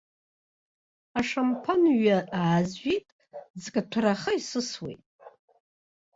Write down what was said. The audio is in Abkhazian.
Ашамԥан ҩы аазжәит, ӡкаҭәараха исысуеит.